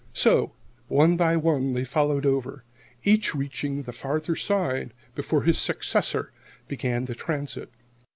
So, one by one, they followed over, each reaching the farther side before his successor began the transit.